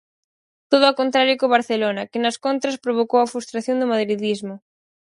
Todo o contrario que o Barcelona, que nas contras provocou a frustración do madridismo.